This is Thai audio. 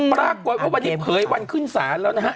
ปรากฏว่าวันนี้เผยวันขึ้นศาลแล้วนะฮะ